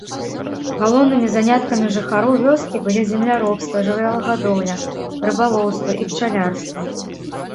Галоўнымі заняткамі жыхароў вёскі былі земляробства, жывёлагадоўля, рыбалоўства і пчалярства.